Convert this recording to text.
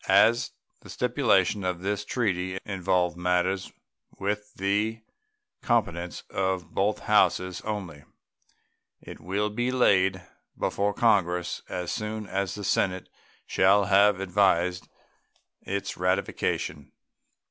As the stipulations in this treaty involve matters with the competence of both Houses only, it will be laid before Congress as soon as the Senate shall have advised its ratification.